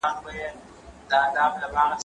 زه پرون د کتابتون پاکوالی وکړ؟!